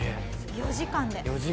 ４時間で？